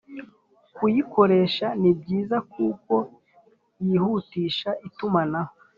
kuyikoresha ni byiza kuko yihutisha itumanaho